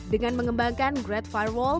dengan mengembangkan great firewall